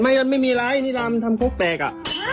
ห้านี่ล่ะไม่มีไรนี่ล่ะมันทำโค๊กแตกอ่ะ